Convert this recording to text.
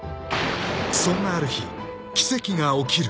［そんなある日奇跡が起きる］